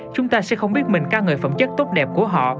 chúng ta sẽ không biết mình ca người phẩm chất tốt đẹp của họ